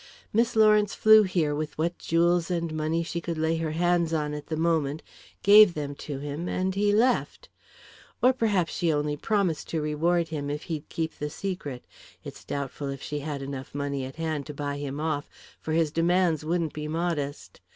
Miss Lawrence flew here with what jewels and money she could lay her hands on at the moment, gave them to him, and he left; or perhaps she only promised to reward him if he'd keep the secret it's doubtful if she had money enough at hand to buy him off, for his demands wouldn't be modest.